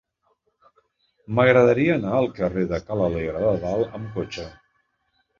M'agradaria anar al carrer de Ca l'Alegre de Dalt amb cotxe.